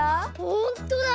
ほんとだ！